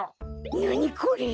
なにこれ？